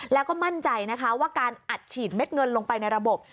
แล้วก็มั่นใจนะคะว่าการอัดฉีดเม็ดเงินลงไปในระบบ